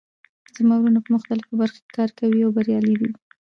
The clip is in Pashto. زما وروڼه په مختلفو برخو کې کار کوي او بریالي دي